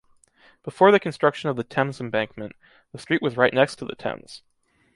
Before the construction of the Thames embankment, the street was right next to the Thames.